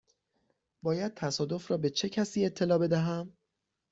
باید تصادف را به چه کسی اطلاع بدهم؟